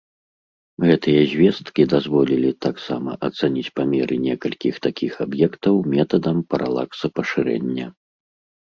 Гэтыя звесткі дазволілі таксама ацаніць памеры некалькіх такіх аб'ектаў метадам паралакса пашырэння.